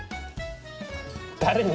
誰に？